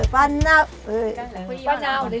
ป้าเนา